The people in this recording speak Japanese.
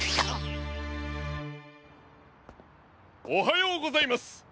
おはようございます！